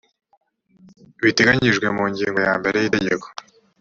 biteganyijwe mu ngingo ya mbere y iri tegeko